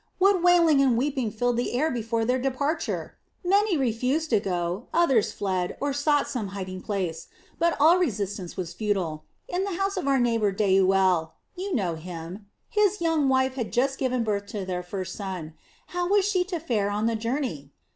What wailing and weeping filled the air before their departure! Many refused to go, others fled, or sought some hiding place. But all resistance was futile. In the house of our neighbor Deuel you know him his young wife had just given birth to their first son. How was she to fare on the journey?